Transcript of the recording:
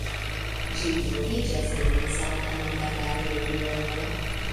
Ĝi troviĝas en mezalta montara regiono.